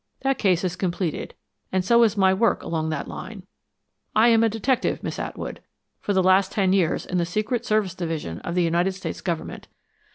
That case is completed; and so is my work along that line. I am a detective, Miss Atwood for the last ten years in the Secret Service Division of the United States Government."